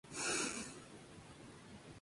Entre las defensivas, está el escudo.